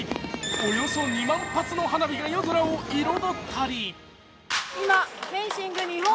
およそ２万発の花火が夜空を彩ったり。